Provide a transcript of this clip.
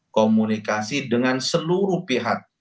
komunikasi dengan seluruh pihak